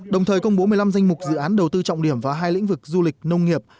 đồng thời công bố một mươi năm danh mục dự án đầu tư trọng điểm và hai lĩnh vực du lịch nông nghiệp